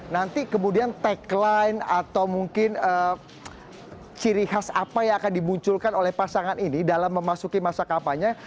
nanti kemudian tagline atau mungkin ciri khas apa yang akan dimunculkan oleh pasangan ini dalam memasuki masa kampanye